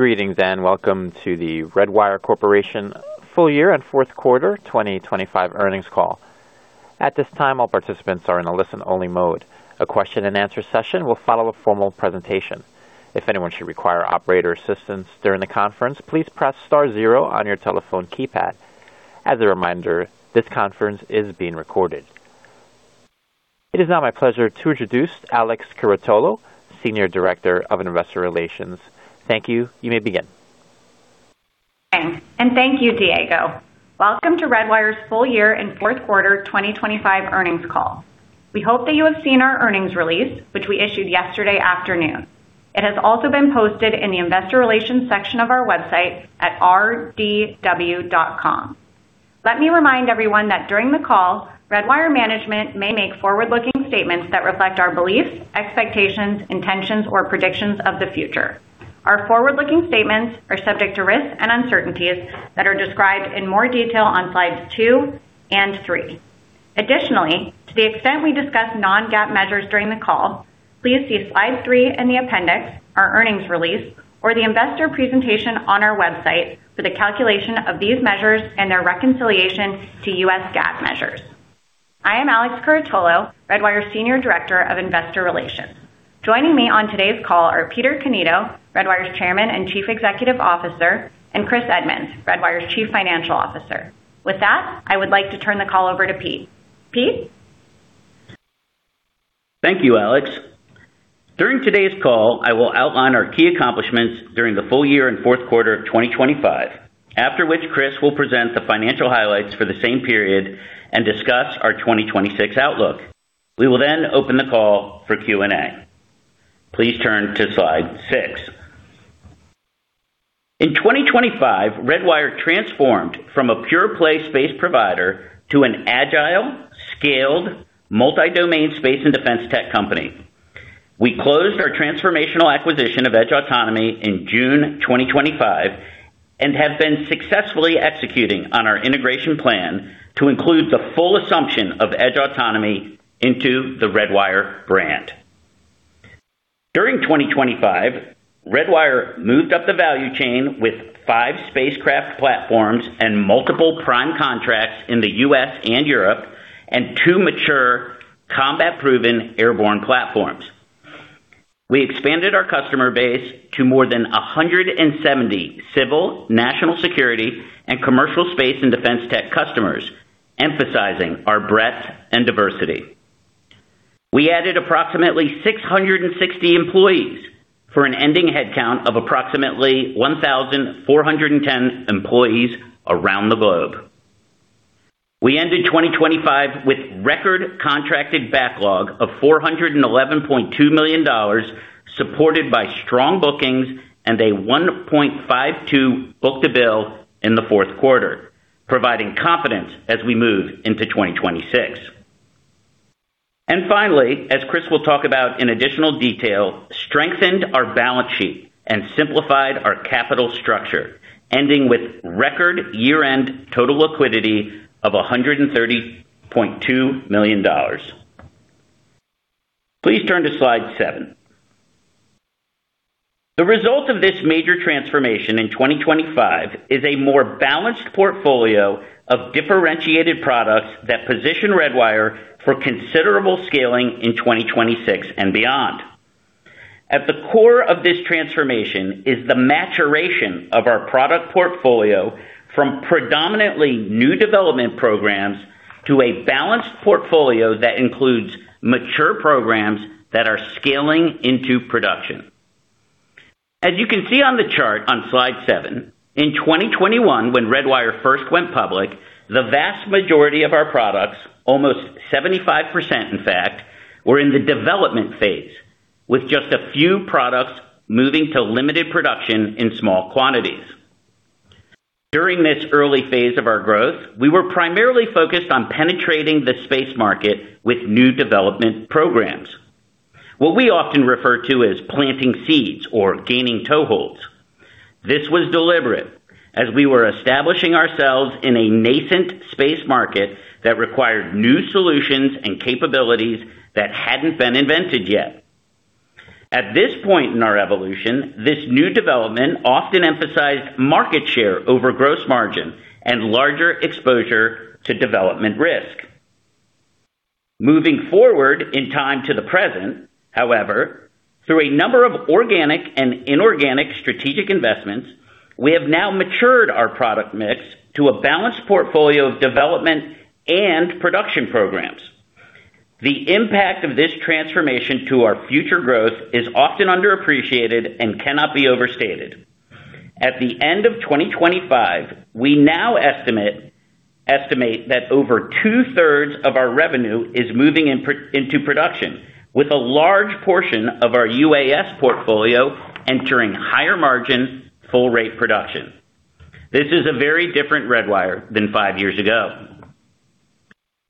Greetings, and welcome to the Redwire Corporation Full Year and Fourth Quarter 2025 Earnings Call. At this time, all participants are in a listen-only mode. A question-and-answer session will follow a formal presentation. If anyone should require operator assistance during the conference, please press star zero on your telephone keypad. As a reminder, this conference is being recorded. It is now my pleasure to introduce Alex Curatolo, Senior Director of Investor Relations. Thank you. You may begin. Thanks. Thank you, Diego. Welcome to Redwire's Full Year and Fourth Quarter 2025 Earnings Call. We hope that you have seen our earnings release, which we issued yesterday afternoon. It has also been posted in the Investor Relations section of our website at rdw.com. Let me remind everyone that during the call, Redwire management may make forward-looking statements that reflect our beliefs, expectations, intentions, or predictions of the future. Our forward-looking statements are subject to risks and uncertainties that are described in more detail on slides two and three. Additionally, to the extent we discuss non-GAAP measures during the call, please see slide three in the appendix, our earnings release, or the investor presentation on our website for the calculation of these measures and their reconciliation to US GAAP measures. I am Alex Curatolo, Redwire Senior Director of Investor Relations. Joining me on today's call are Peter Cannito, Redwire's Chairman and Chief Executive Officer, and Chris Edmunds, Redwire's Chief Financial Officer. I would like to turn the call over to Pete. Pete? Thank you, Alex. During today's call, I will outline our key accomplishments during the full year and fourth quarter of 2025, after which Chris will present the financial highlights for the same period and discuss our 2026 outlook. We will open the call for Q&A. Please turn to slide six. In 2025, Redwire transformed from a pure-play space provider to an agile, scaled, multi-domain space and defense tech company. We closed our transformational acquisition of Edge Autonomy in June 2025 and have been successfully executing on our integration plan to include the full assumption of Edge Autonomy into the Redwire brand. During 2025, Redwire moved up the value chain with five spacecraft platforms and multiple prime contracts in the U.S. and Europe, and two mature, combat-proven airborne platforms. We expanded our customer base to more than 170 civil, national security, and commercial space and defense tech customers, emphasizing our breadth and diversity. We added approximately 660 employees for an ending headcount of approximately 1,410 employees around the globe. We ended 2025 with record contracted backlog of $411.2 million, supported by strong bookings and a 1.52 book-to-bill in the fourth quarter, providing confidence as we move into 2026. Finally, as Chris will talk about in additional detail, strengthened our balance sheet and simplified our capital structure, ending with record year-end total liquidity of $130.2 million. Please turn to slide seven. The result of this major transformation in 2025 is a more balanced portfolio of differentiated products that position Redwire for considerable scaling in 2026 and beyond. At the core of this transformation is the maturation of our product portfolio from predominantly new development programs to a balanced portfolio that includes mature programs that are scaling into production. As you can see on the chart on slide seven, in 2021, when Redwire first went public, the vast majority of our products, almost 75%, in fact, were in the development phase, with just a few products moving to limited production in small quantities. During this early phase of our growth, we were primarily focused on penetrating the space market with new development programs. What we often refer to as planting seeds or gaining toeholds. This was deliberate, as we were establishing ourselves in a nascent space market that required new solutions and capabilities that hadn't been invented yet. At this point in our evolution, this new development often emphasized market share over gross margin and larger exposure to development risk. Moving forward in time to the present, however, through a number of organic and inorganic strategic investments, we have now matured our product mix to a balanced portfolio of development and production programs. The impact of this transformation to our future growth is often underappreciated and cannot be overstated. At the end of 2025, we now estimate that over 2/3 of our revenue is moving into production, with a large portion of our UAS portfolio entering higher margin, full rate production. This is a very different Redwire than five years ago.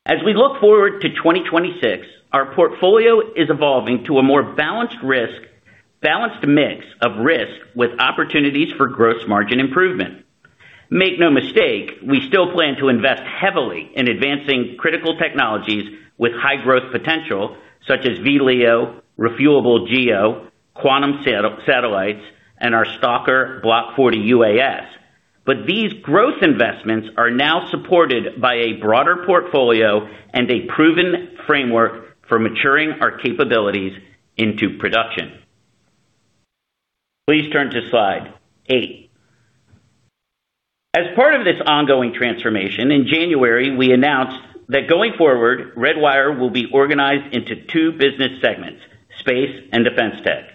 As we look forward to 2026, our portfolio is evolving to a more balanced mix of risk with opportunities for gross margin improvement. Make no mistake, we still plan to invest heavily in advancing critical technologies with high growth potential, such as VLEO, refuelable GEO, quantum satellites, and our Stalker Block 40 UAS. These growth investments are now supported by a broader portfolio and a proven framework for maturing our capabilities into production. Please turn to slide eight. As part of this ongoing transformation, in January, we announced that going forward, Redwire will be organized into two business segments: Space and Defense Tech.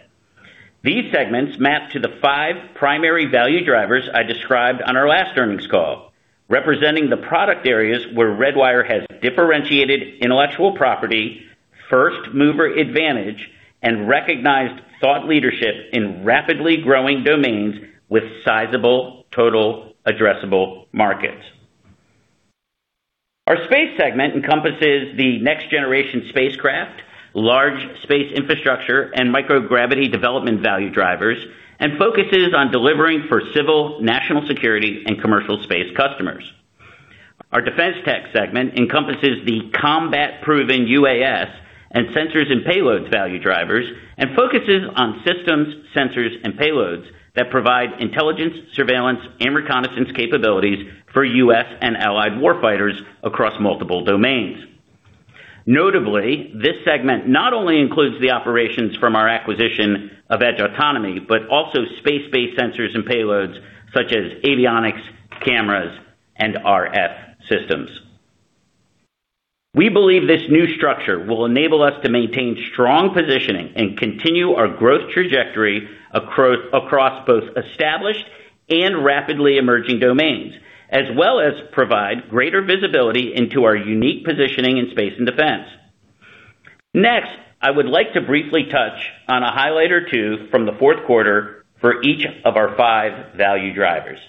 These segments map to the five primary value drivers I described on our last earnings call, representing the product areas where Redwire has differentiated intellectual property, first mover advantage, and recognized thought leadership in rapidly growing domains with sizable total addressable markets. Our space segment encompasses the next generation spacecraft, large space infrastructure, and microgravity development value drivers, and focuses on delivering for civil, national security, and commercial space customers. Our defense tech segment encompasses the combat-proven UAS and sensors and payloads value drivers, and focuses on systems, sensors, and payloads that provide intelligence, surveillance, and reconnaissance capabilities for U.S. and allied warfighters across multiple domains. Notably, this segment not only includes the operations from our acquisition of Edge Autonomy, but also space-based sensors and payloads such as avionics, cameras, and RF systems. We believe this new structure will enable us to maintain strong positioning and continue our growth trajectory across both established and rapidly emerging domains, as well as provide greater visibility into our unique positioning in space and defense. Next, I would like to briefly touch on a highlight or two from the fourth quarter for each of our five value drivers.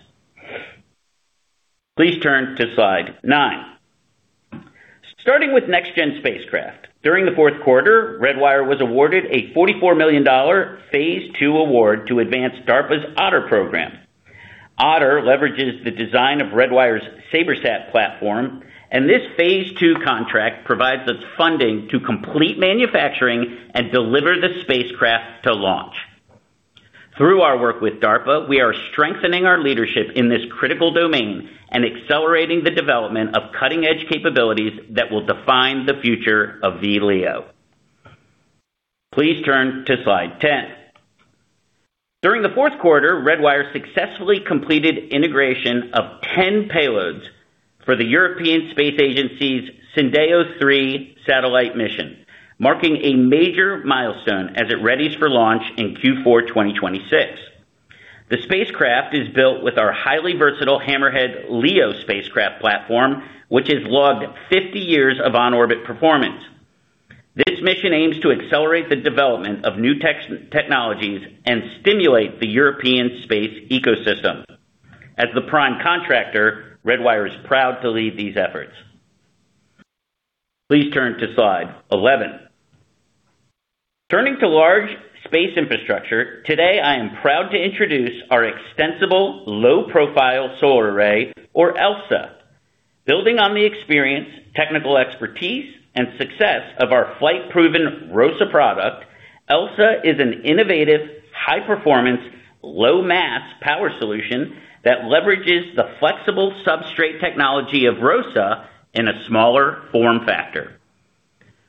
Please turn to slide nine. Starting with next-gen spacecraft. During the fourth quarter, Redwire was awarded a $44 million phase II award to advance DARPA's Otter program. Otter leverages the design of Redwire's SabreSat platform, this phase II contract provides us funding to complete manufacturing and deliver the spacecraft to launch. Through our work with DARPA, we are strengthening our leadership in this critical domain and accelerating the development of cutting-edge capabilities that will define the future of VLEO. Please turn to slide 10. During the fourth quarter, Redwire successfully completed integration of 10 payloads for the European Space Agency's Σyndeo-3 satellite mission, marking a major milestone as it readies for launch in Q4 2026. The spacecraft is built with our highly versatile Hammerhead LEO spacecraft platform, which has logged 50 years of on-orbit performance. This mission aims to accelerate the development of new technologies and stimulate the European space ecosystem. As the prime contractor, Redwire is proud to lead these efforts. Please turn to slide 11. Turning to large space infrastructure, today, I am proud to introduce our Extensible Low-Profile Solar Array, or ELSA. Building on the experience, technical expertise, and success of our flight-proven ROSA product, ELSA is an innovative, high-performance, low-mass power solution that leverages the flexible substrate technology of ROSA in a smaller form factor.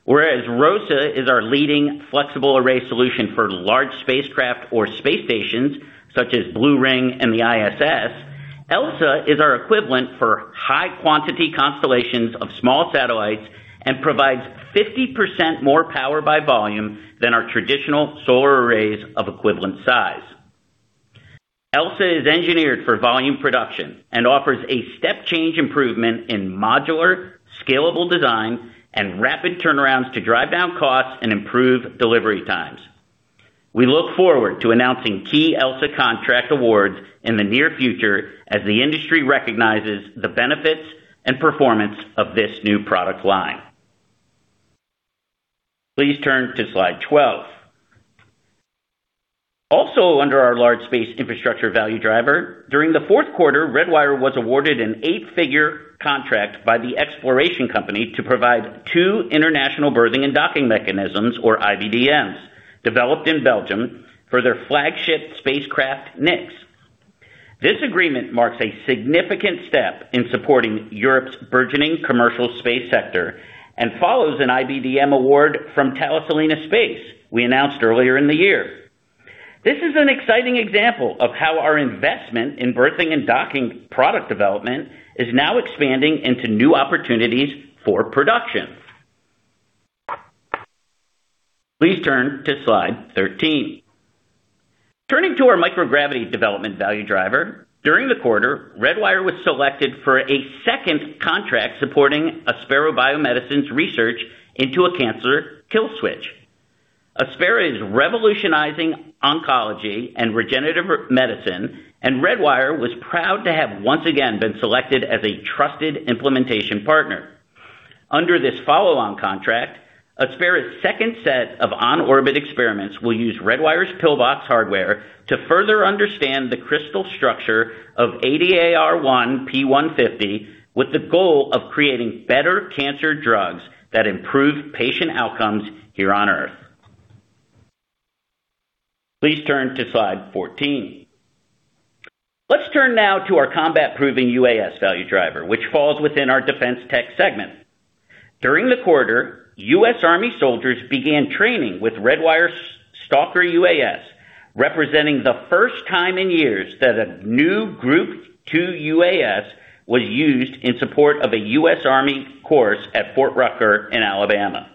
ROSA is our leading flexible array solution for large spacecraft or space stations, such as Blue Ring and the ISS, ELSA is our equivalent for high quantity constellations of small satellites and provides 50% more power by volume than our traditional solar arrays of equivalent size. ELSA is engineered for volume production and offers a step change improvement in modular, scalable design and rapid turnarounds to drive down costs and improve delivery times. We look forward to announcing key ELSA contract awards in the near future as the industry recognizes the benefits and performance of this new product line. Please turn to slide 12. Under our large space infrastructure value driver, during the fourth quarter, Redwire was awarded an eight-figure contract by The Exploration Company to provide two International Berthing and Docking Mechanisms, or IBDMs, developed in Belgium for their flagship spacecraft, Nyx. This agreement marks a significant step in supporting Europe's burgeoning commercial space sector and follows an IBDM award from Thales Alenia Space we announced earlier in the year. This is an exciting example of how our investment in berthing and docking product development is now expanding into new opportunities for production. Please turn to slide 13. Turning to our microgravity development value driver. During the quarter, Redwire was selected for a second contract supporting Aspera Biomedicines' research into a cancer kill switch. Aspera is revolutionizing oncology and regenerative medicine, Redwire was proud to have once again been selected as a trusted implementation partner. Under this follow-on contract, Aspera's second set of on-orbit experiments will use Redwire's PIL-BOX hardware to further understand the crystal structure of ADAR1 p150, with the goal of creating better cancer drugs that improve patient outcomes here on Earth. Please turn to slide 14. Let's turn now to our combat-proven UAS value driver, which falls within our defense tech segment. During the quarter, U.S. Army soldiers began training with Redwire's Stalker UAS, representing the first time in years that a new Group 2 UAS was used in support of a U.S. Army course at Fort Rucker in Alabama.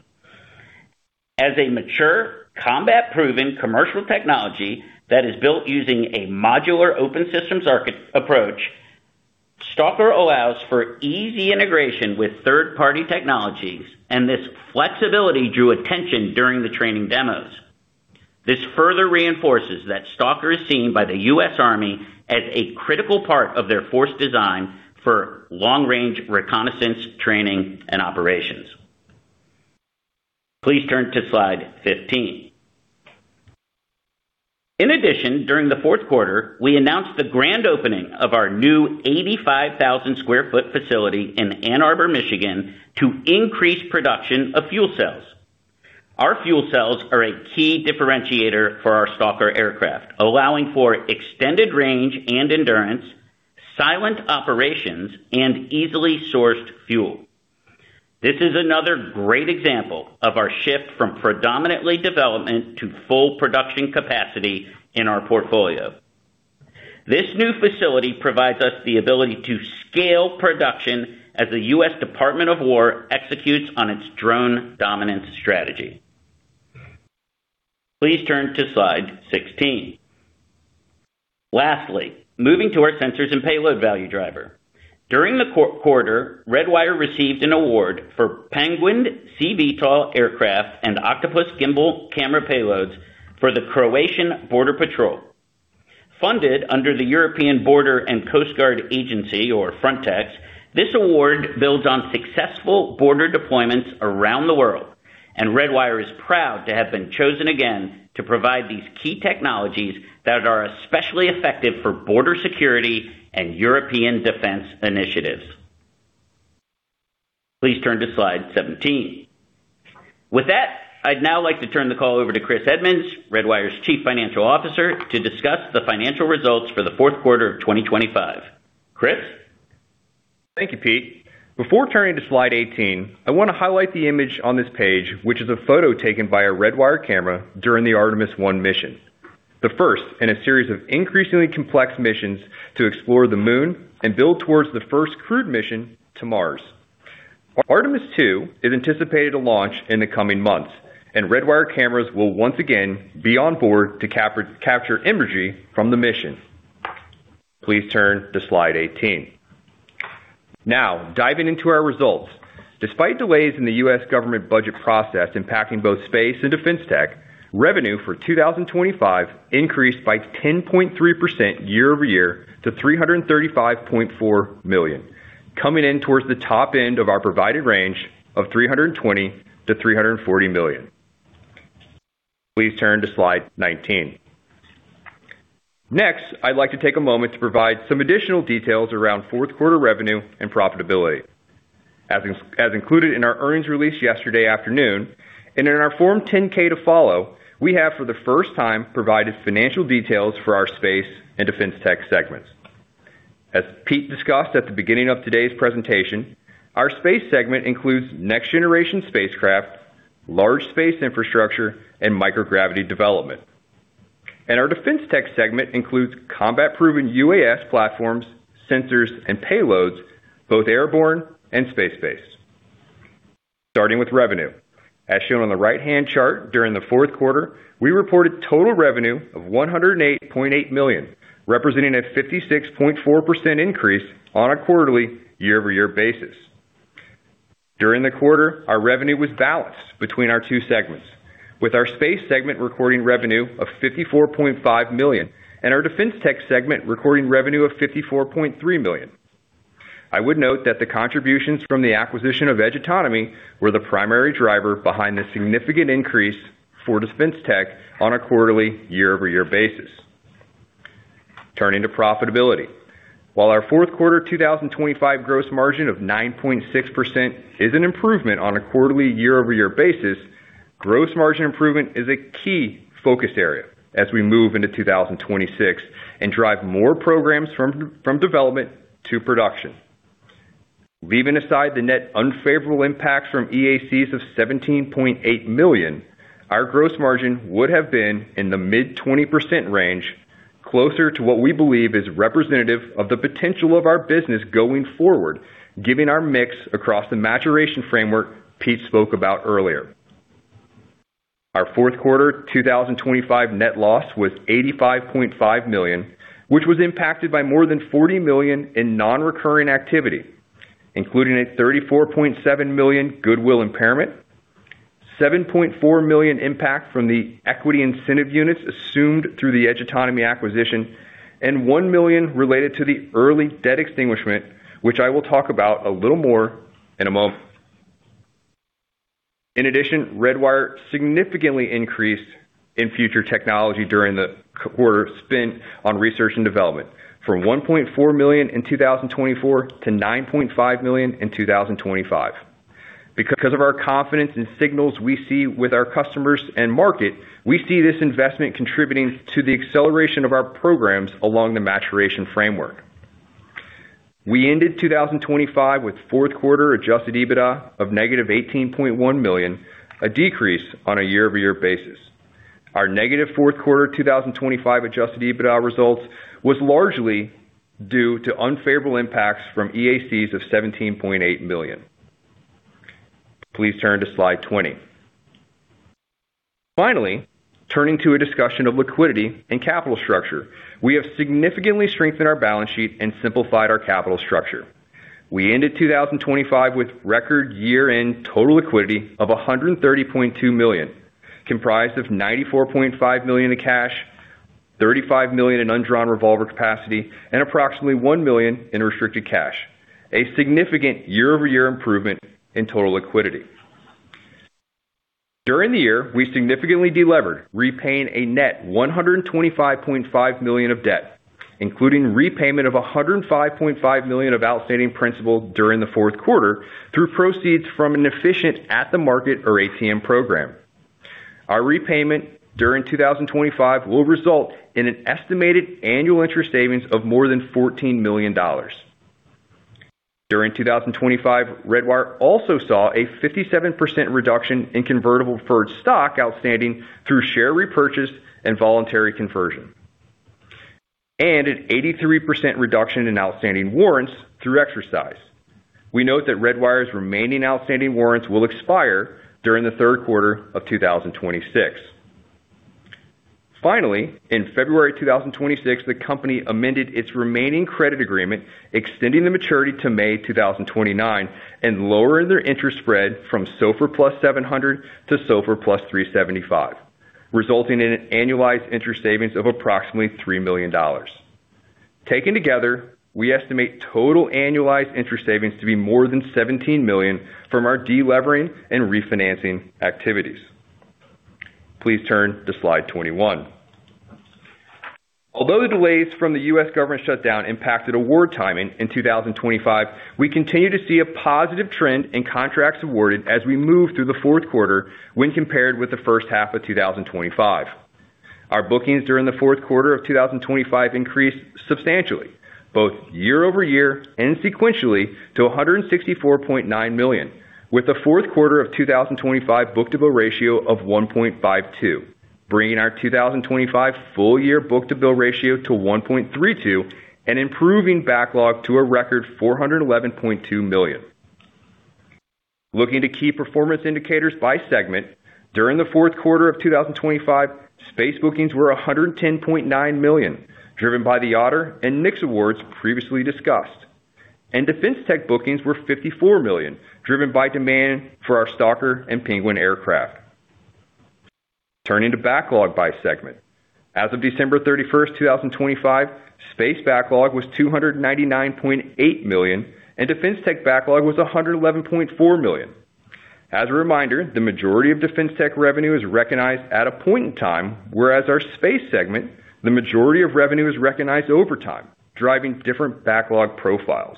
As a mature, combat-proven commercial technology that is built using a modular open systems approach, Stalker allows for easy integration with third-party technologies, and this flexibility drew attention during the training demos. This further reinforces that Stalker is seen by the U.S. Army as a critical part of their force design for long-range reconnaissance, training, and operations. Please turn to slide 15. In addition, during the fourth quarter, we announced the grand opening of our new 85,000 sq ft facility in Ann Arbor, Michigan, to increase production of fuel cells. Our fuel cells are a key differentiator for our Stalker aircraft, allowing for extended range and endurance, silent operations, and easily sourced fuel. This is another great example of our shift from predominantly development to full production capacity in our portfolio. This new facility provides us the ability to scale production as the U.S. Department of War executes on its drone dominance strategy. Please turn to slide 16. Moving to our sensors and payload value driver. During the quarter, Redwire received an award for Penguin C VTOL aircraft and Octopus gimbal camera payloads for the Croatian Border Patrol. Funded under the European Border and Coast Guard Agency, or Frontex, this award builds on successful border deployments around the world, and Redwire is proud to have been chosen again to provide these key technologies that are especially effective for border security and European defense initiatives. Please turn to slide 17. With that, I'd now like to turn the call over to Chris Edmunds, Redwire's Chief Financial Officer, to discuss the financial results for the fourth quarter of 2025. Chris? Thank you, Pete. Before turning to slide 18, I want to highlight the image on this page, which is a photo taken by a Redwire camera during the Artemis I mission, the first in a series of increasingly complex missions to explore the moon and build towards the first crewed mission to Mars. Artemis II is anticipated to launch in the coming months, and Redwire cameras will once again be on board to capture imagery from the mission. Please turn to slide 18. Now, diving into our results. Despite delays in the U.S. government budget process impacting both space and defense tech, revenue for 2025 increased by 10.3% year-over-year to $335.4 million, coming in towards the top end of our provided range of $320 million-$340 million. Please turn to slide 19. Next, I'd like to take a moment to provide some additional details around fourth quarter revenue and profitability. As included in our earnings release yesterday afternoon, and in our Form 10-K to follow, we have, for the first time, provided financial details for our space and defense tech segments. As Pete discussed at the beginning of today's presentation, our space segment includes next-generation spacecraft, large space infrastructure, and microgravity development. Our defense tech segment includes combat-proven UAS platforms, sensors, and payloads, both airborne and space-based. Starting with revenue. As shown on the right-hand chart, during the fourth quarter, we reported total revenue of $108.8 million, representing a 56.4% increase on a quarterly year-over-year basis. During the quarter, our revenue was balanced between our two segments, with our space segment recording revenue of $54.5 million and our defense tech segment recording revenue of $54.3 million. I would note that the contributions from the acquisition of Edge Autonomy were the primary driver behind the significant increase for defense tech on a quarterly year-over-year basis. Turning to profitability. While our fourth quarter 2025 gross margin of 9.6% is an improvement on a quarterly year-over-year basis, gross margin improvement is a key focus area as we move into 2026 and drive more programs from development to production. Leaving aside the net unfavorable impacts from EACs of $17.8 million, our gross margin would have been in the mid-20% range, closer to what we believe is representative of the potential of our business going forward, given our mix across the maturation framework Pete spoke about earlier. Our fourth quarter 2025 net loss was $85.5 million, which was impacted by more than $40 million in non-recurring activity, including a $34.7 million goodwill impairment, $7.4 million impact from the equity incentive units assumed through the Edge Autonomy acquisition, and $1 million related to the early debt extinguishment, which I will talk about a little more in a moment. Redwire significantly increased in future technology during the quarter, spent on research and development, from $1.4 million in 2024 to $9.5 million in 2025. Because of our confidence in signals we see with our customers and market, we see this investment contributing to the acceleration of our programs along the maturation framework. We ended 2025 with fourth quarter Adjusted EBITDA of negative $18.1 million, a decrease on a year-over-year basis. Our negative fourth quarter 2025 Adjusted EBITDA results was largely due to unfavorable impacts from EACs of $17.8 million. Please turn to slide 20. Turning to a discussion of liquidity and capital structure. We have significantly strengthened our balance sheet and simplified our capital structure. We ended 2025 with record year-end total liquidity of $130.2 million, comprised of $94.5 million in cash, $35 million in undrawn revolver capacity, and approximately $1 million in restricted cash, a significant year-over-year improvement in total liquidity. During the year, we significantly delevered, repaying a net $125.5 million of debt, including repayment of $105.5 million of outstanding principal during the fourth quarter, through proceeds from an efficient at-the-market, or ATM, program. Our repayment during 2025 will result in an estimated annual interest savings of more than $14 million. During 2025, Redwire also saw a 57% reduction in convertible preferred stock outstanding through share repurchase and voluntary conversion, and an 83% reduction in outstanding warrants through exercise. We note that Redwire's remaining outstanding warrants will expire during the third quarter of 2026. In February 2026, the company amended its remaining credit agreement, extending the maturity to May 2029, and lowering their interest spread from SOFR plus 700 to SOFR plus 375, resulting in an annualized interest savings of approximately $3 million. Taken together, we estimate total annualized interest savings to be more than $17 million from our delevering and refinancing activities. Please turn to slide 21. Although the delays from the U.S. government shutdown impacted award timing in 2025, we continue to see a positive trend in contracts awarded as we move through the fourth quarter when compared with the first half of 2025. Our bookings during the fourth quarter of 2025 increased substantially, both year-over-year and sequentially, to $164.9 million, with the fourth quarter of 2025 book-to-bill ratio of 1.52, bringing our 2025 full year book-to-bill ratio to 1.32, and improving backlog to a record $411.2 million. Looking to key performance indicators by segment, during the fourth quarter of 2025, space bookings were $110.9 million, driven by the Otter and Nyx awards previously discussed. defense tech bookings were $54 million, driven by demand for our Stalker and Penguin aircraft. Turning to backlog by segment. As of December 31st, 2025, space backlog was $299.8 million, and defense tech backlog was $111.4 million. As a reminder, the majority of defense tech revenue is recognized at a point in time, whereas our space segment, the majority of revenue is recognized over time, driving different backlog profiles.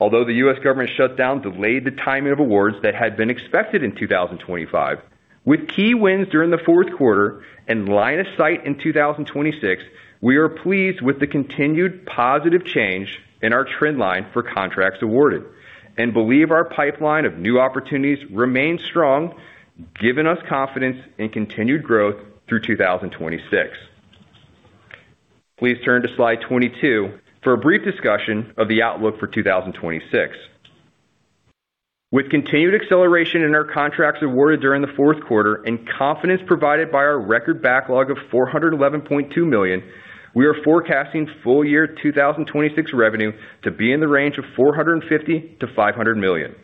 Although the U.S. government shutdown delayed the timing of awards that had been expected in 2025, with key wins during the fourth quarter and line of sight in 2026, we are pleased with the continued positive change in our trend line for contracts awarded. We believe our pipeline of new opportunities remains strong, giving us confidence in continued growth through 2026. Please turn to slide 22 for a brief discussion of the outlook for 2026. With continued acceleration in our contracts awarded during the fourth quarter and confidence provided by our record backlog of $411.2 million, we are forecasting full year 2026 revenue to be in the range of $450 million-$500 million,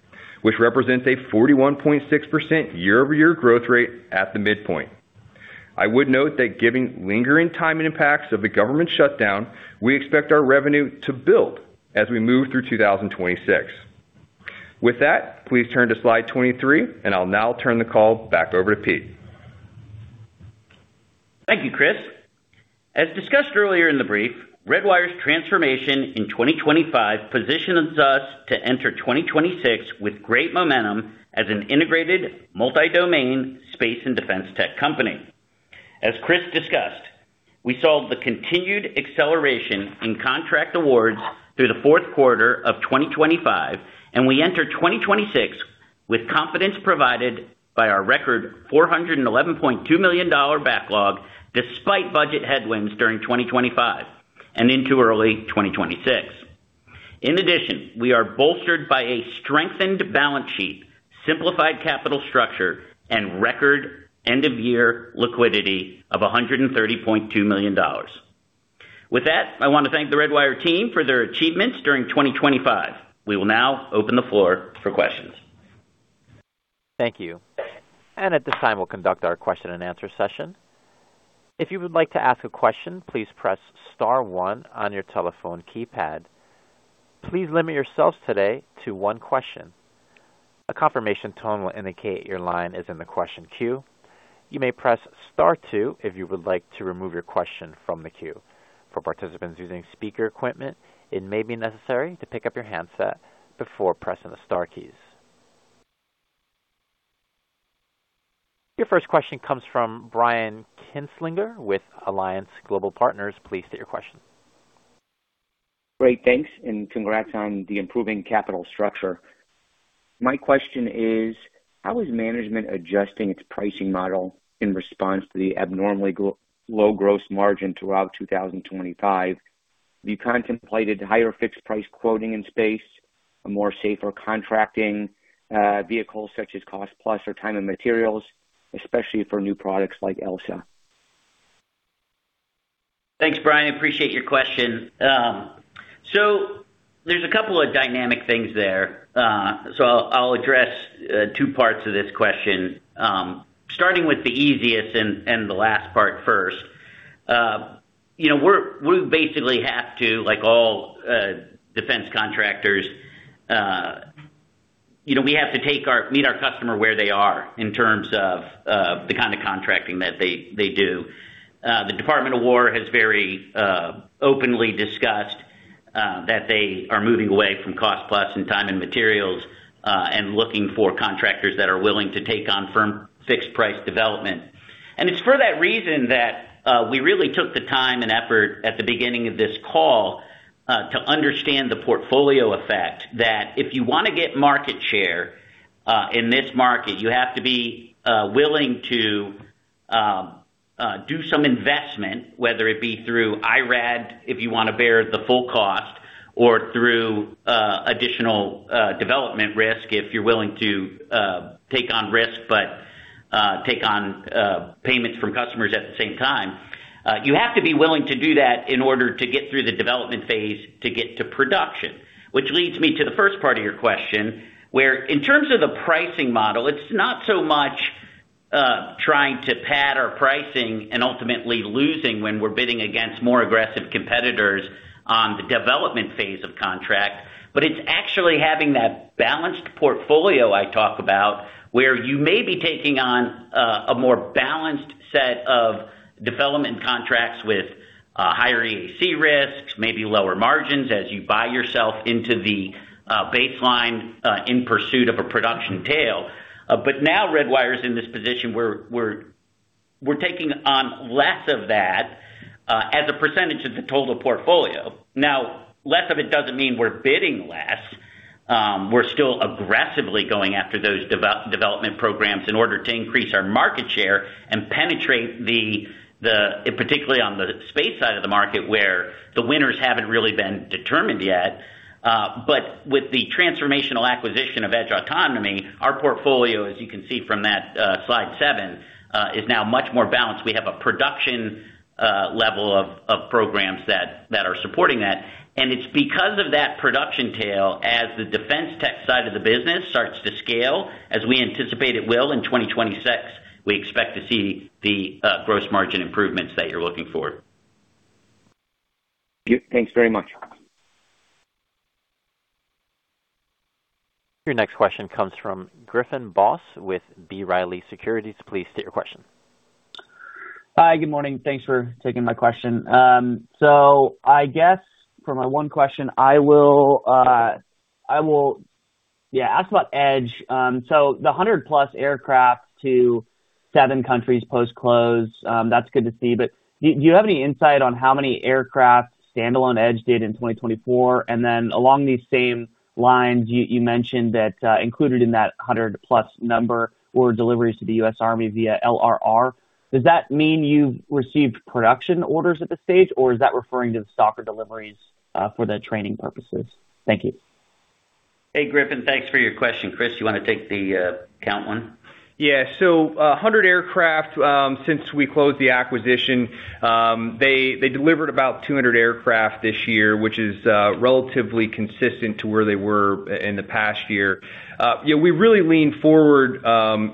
which represents a 41.6% year-over-year growth rate at the midpoint. I would note that giving lingering timing impacts of the government shutdown, we expect our revenue to build as we move through 2026. With that, please turn to slide 23. I'll now turn the call back over to Pete. Thank you, Chris. As discussed earlier in the brief, Redwire's transformation in 2025 positions us to enter 2026 with great momentum as an integrated, multi-domain space and defense tech company. As Chris discussed, we saw the continued acceleration in contract awards through the fourth quarter of 2025, and we enter 2026 with confidence provided by our record $411.2 million backlog, despite budget headwinds during 2025 and into early 2026. In addition, we are bolstered by a strengthened balance sheet, simplified capital structure, and record end-of-year liquidity of $130.2 million. With that, I want to thank the Redwire team for their achievements during 2025. We will now open the floor for questions. Thank you. At this time, we'll conduct our question-and-answer session. If you would like to ask a question, please press star one on your telephone keypad. Please limit yourselves today to one question. A confirmation tone will indicate your line is in the question queue. You may press star two if you would like to remove your question from the queue. For participants using speaker equipment, it may be necessary to pick up your handset before pressing the star keys. Your first question comes from Brian Kinstlinger with Alliance Global Partners. Please state your question. Great, thanks, and congrats on the improving capital structure. My question is, how is management adjusting its pricing model in response to the abnormally low gross margin throughout 2025? Have you contemplated higher fixed price quoting in space, a more safer contracting, vehicle, such as cost plus or time and materials, especially for new products like ELSA? Thanks, Brian, appreciate your question. There's a couple of dynamic things there. I'll address two parts of this question. Starting with the easiest and the last part first. You know, we basically have to, like all, defense contractors, you know, we have to meet our customer where they are in terms of the kind of contracting that they do. The Department of War has very openly discussed that they are moving away from cost plus and time and materials, and looking for contractors that are willing to take on firm fixed-price development. It's for that reason that, we really took the time and effort at the beginning of this call, to understand the portfolio effect, that if you want to get market share, in this market, you have to be willing to do some investment, whether it be through IRAD, if you want to bear the full cost, or through additional development risk, if you're willing to take on risk, but take on payments from customers at the same time. You have to be willing to do that in order to get through the development phase to get to production. Which leads me to the first part of your question, where in terms of the pricing model, it's not so much trying to pad our pricing and ultimately losing when we're bidding against more aggressive competitors on the development phase of contract. It's actually having that balanced portfolio I talk about, where you may be taking on a more balanced set of development contracts with higher AAC risks, maybe lower margins as you buy yourself into the baseline in pursuit of a production tail. Now Redwire is in this position where we're taking on less of that as a percentage of the total portfolio. Now, less of it doesn't mean we're bidding less. We're still aggressively going after those development programs in order to increase our market share and penetrate the, particularly on the space side of the market, where the winners haven't really been determined yet. With the transformational acquisition of Edge Autonomy, our portfolio, as you can see from that, slide seven, is now much more balanced. We have a production level of programs that are supporting that, and it's because of that production tail, as the defense tech side of the business starts to scale, as we anticipate it will in 2026, we expect to see the gross margin improvements that you're looking for. Thanks very much. Your next question comes from Griffin Boss, with B. Riley Securities. Please state your question. Hi, good morning. Thanks for taking my question. So I guess for my one question, I will, yeah, ask about Edge. The 100+ aircraft to seven countries post-close, that's good to see. Do you have any insight on how many aircraft standalone Edge did in 2024? Along these same lines, you mentioned that included in that 100+ number were deliveries to the U.S. Army via LRR. Does that mean you've received production orders at this stage, or is that referring to the Stalker deliveries for the training purposes? Thank you. Hey, Griffin, thanks for your question. Chris, you want to take the count one? Yeah. 100 aircraft since we closed the acquisition, they delivered about 200 aircraft this year, which is relatively consistent to where they were in the past year. Yeah, we really leaned forward,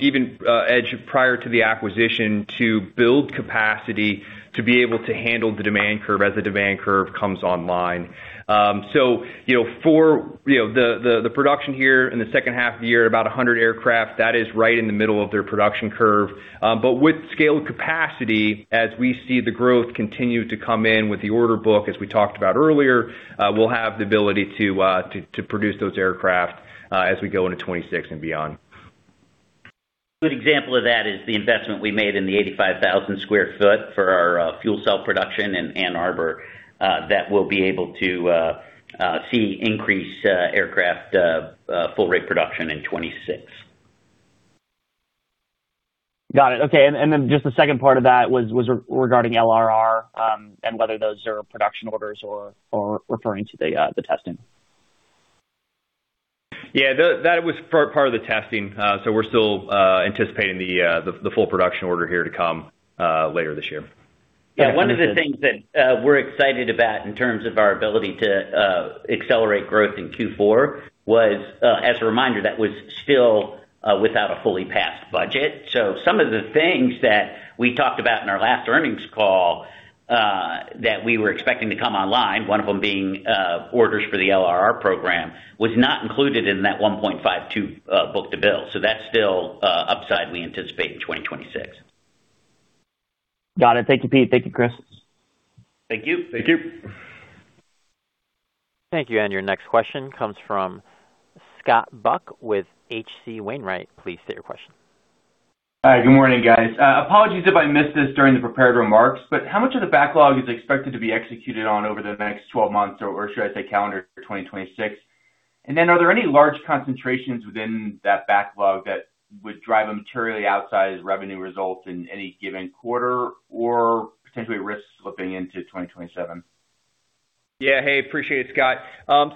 even Edge, prior to the acquisition, to build capacity to be able to handle the demand curve as the demand curve comes online. You know, for, you know, the production here in the second half of the year, about 100 aircraft, that is right in the middle of their production curve. With scaled capacity, as we see the growth continue to come in with the order book, as we talked about earlier, we'll have the ability to produce those aircraft as we go into 2026 and beyond. Good example of that is the investment we made in the 85,000 sq ft for our fuel cell production in Ann Arbor, that we'll be able to see increased aircraft full rate production in 2026. Got it. Okay. Just the second part of that was regarding LRR, and whether those are production orders or referring to the testing. Yeah, that was part of the testing. We're still anticipating the full production order here to come later this year. Yeah, one of the things that, we're excited about in terms of our ability to, accelerate growth in Q4 was, as a reminder, that was still, without a fully passed budget. Some of the things that we talked about in our last earnings call, that we were expecting to come online, one of them being, orders for the LRR program, was not included in that 1.52 book-to-bill. That's still, upside we anticipate in 2026. Got it. Thank you, Pete. Thank you, Chris. Thank you. Thank you. Thank you. Your next question comes from Scott Buck with H.C. Wainwright. Please state your question. Hi, good morning, guys. Apologies if I missed this during the prepared remarks, but how much of the backlog is expected to be executed on over the next 12 months, or should I say, calendar year 2026? Are there any large concentrations within that backlog that would drive a materially outsized revenue result in any given quarter or potentially risk slipping into 2027? Yeah. Hey, appreciate it, Scott.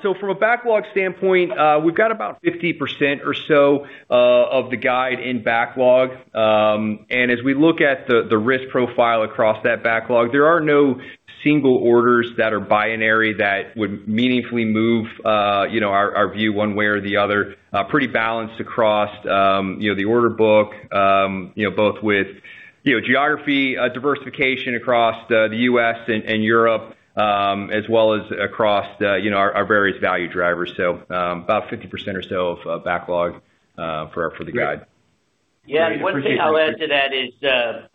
From a backlog standpoint, we've got about 50% or so of the guide in backlog. As we look at the risk profile across that backlog, there are no single orders that are binary that would meaningfully move, you know, our view one way or the other. Pretty balanced across, you know, the order book, you know, both with, you know, geography diversification across the U.S. and Europe, as well as across the, you know, our various value drivers. About 50% or so of backlog for the guide. Great. Yeah, one thing I'll add to that is,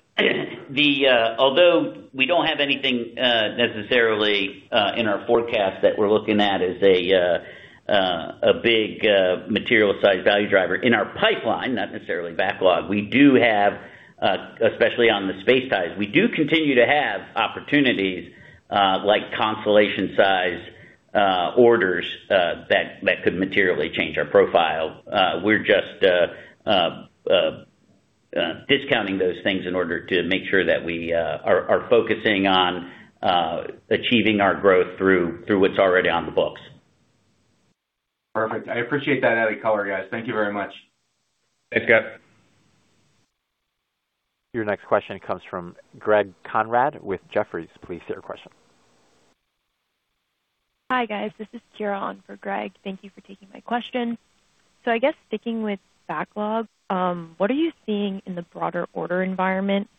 although we don't have anything necessarily in our forecast that we're looking at as a big material-sized value driver in our pipeline, not necessarily backlog, we do have, especially on the space side, we do continue to have opportunities like constellation-sized orders that could materially change our profile. We're just discounting those things in order to make sure that we are focusing on achieving our growth through what's already on the books. Perfect. I appreciate that added color, guys. Thank you very much. Thanks, Scott. Your next question comes from Greg Konrad with Jefferies. Please state your question. Hi, guys. This is Kira on for Greg. Thank you for taking my question. I guess sticking with backlog, what are you seeing in the broader order environment,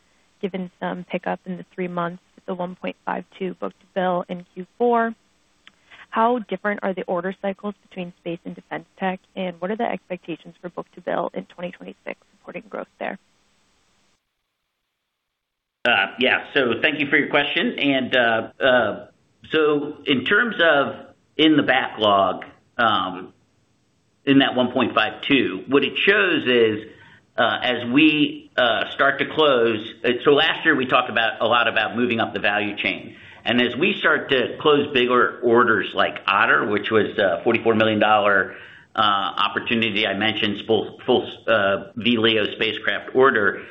given some pickup in the three months with the 1.52 book-to-bill in Q4? How different are the order cycles between space and defense tech, and what are the expectations for book-to-bill in 2026 supporting growth there? Yeah. Thank you for your question. In terms of in the backlog, in that 1.52, what it shows is, as we start to close. Last year, we talked about, a lot about moving up the value chain. As we start to close bigger orders like Otter, which was a $44 million opportunity, I mentioned full VLEO spacecraft order,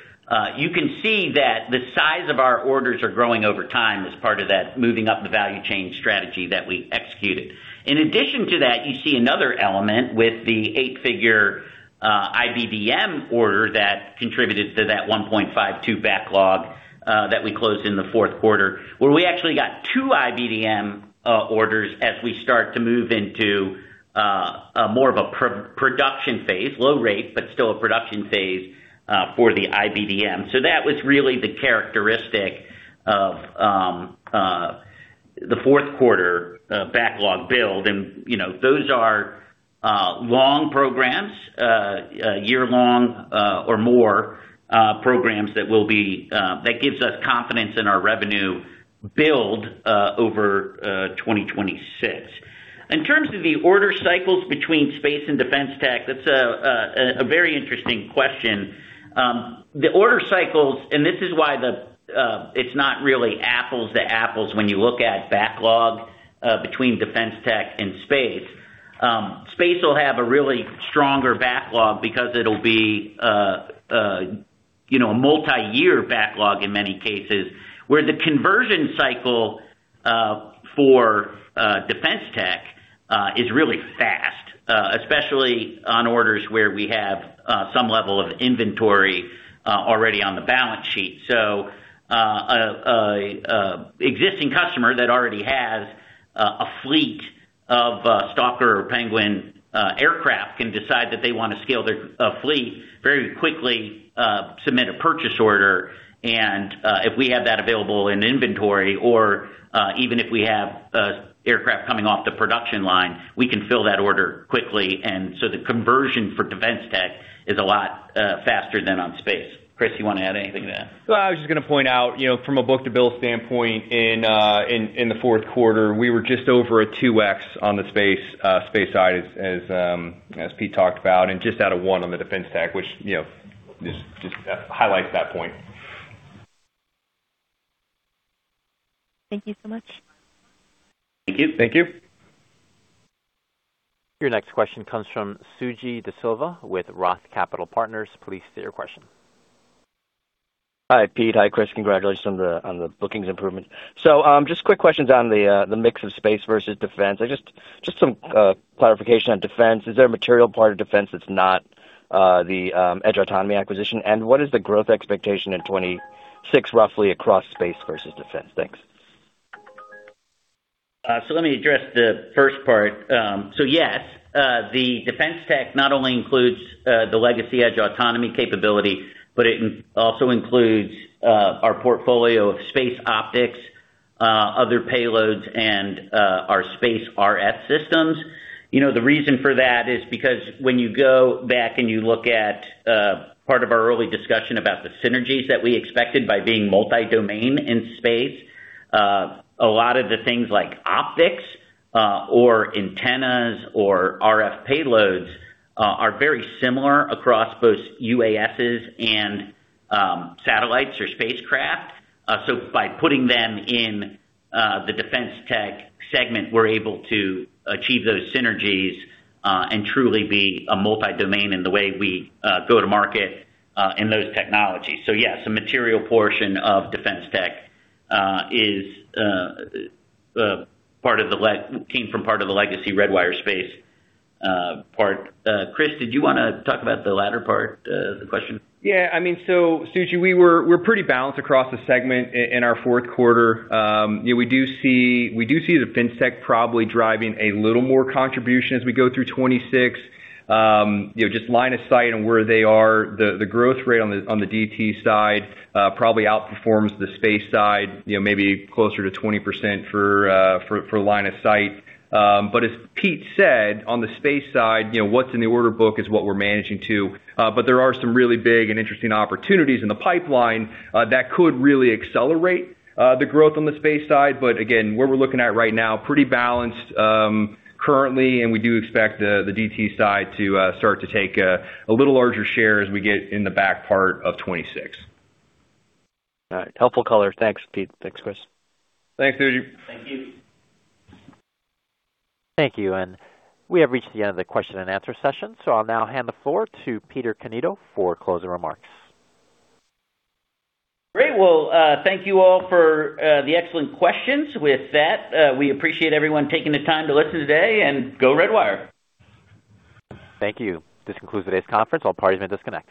you can see that the size of our orders are growing over time as part of that moving up the value chain strategy that we executed. In addition to that, you see another element with the eight-figure IBDM order that contributed to that $1.52 backlog that we closed in the fourth quarter, where we actually got two IBDM orders as we start to move into more of a production phase, low rate, but still a production phase for the IBDM. That was really the characteristic of the fourth quarter backlog build. You know, those are long programs, year-long or more programs that will be that gives us confidence in our revenue build over 2026. In terms of the order cycles between space and defense tech, that's a very interesting question. The order cycles, and this is why the, it's not really apples to apples when you look at backlog, between defense tech and space. Space will have a really stronger backlog because it'll be, you know, a multiyear backlog in many cases, where the conversion cycle, for defense tech, is really fast, especially on orders where we have some level of inventory, already on the balance sheet. An existing customer that already has a fleet of Stalker or Penguin aircraft can decide that they want to scale their fleet very quickly, submit a purchase order, and if we have that available in inventory or, even if we have aircraft coming off the production line, we can fill that order quickly. The conversion for defense tech is a lot faster than on space. Chris, you want to add anything to that? Well, I was just gonna point out, you know, from a book-to-bill standpoint, in the fourth quarter, we were just over a 2x on the space side, as Pete talked about, and just out of one on the defense stack, which, you know, just highlights that point. Thank you so much. Thank you. Thank you. Your next question comes from Suji Desilva with Roth Capital Partners. Please state your question. Hi, Pete. Hi, Chris. Congratulations on the, on the bookings improvement. just quick questions on the mix of space versus defense. Just some clarification on defense. Is there a material part of defense that's not, the, Edge Autonomy acquisition? What is the growth expectation in 2026, roughly, across space versus defense? Thanks. Let me address the first part. Yes, the defense tech not only includes the legacy Edge Autonomy capability, but it also includes our portfolio of space optics, other payloads, and our space RF systems. You know, the reason for that is because when you go back and you look at part of our early discussion about the synergies that we expected by being multi-domain in space, a lot of the things like optics, or antennas, or RF payloads, are very similar across both UASs and satellites or spacecraft. By putting them in the defense tech segment, we're able to achieve those synergies and truly be a multi-domain in the way we go to market in those technologies. Yes, a material portion of defense tech is part of the legacy Redwire space part. Chris, did you wanna talk about the latter part the question? Suji, we're pretty balanced across the segment in our fourth quarter. We do see the defense tech probably driving a little more contribution as we go through 2026. You know, just line of sight and where they are, the growth rate on the DT side probably outperforms the space side, you know, maybe closer to 20% for line of sight. As Pete said, on the space side, you know, what's in the order book is what we're managing to. There are some really big and interesting opportunities in the pipeline that could really accelerate the growth on the space side. Again, where we're looking at right now, pretty balanced, currently, and we do expect the DT side to start to take a little larger share as we get in the back part of 2026. All right. Helpful color. Thanks, Pete. Thanks, Chris. Thanks, Suji. Thank you. Thank you, and we have reached the end of the question and answer session. I'll now hand the floor to Peter Cannito for closing remarks. Great! Well, thank you all for the excellent questions. With that, we appreciate everyone taking the time to listen today, and go Redwire. Thank you. This concludes today's conference. All parties may disconnect.